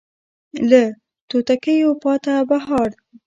له توتکیو پاته بهار دی